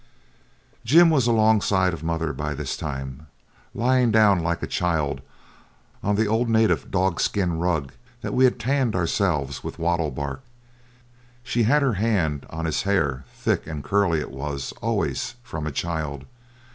Jim was alongside of mother by this time, lying down like a child on the old native dogskin rug that we tanned ourselves with wattle bark. She had her hand on his hair thick and curly it was always from a child.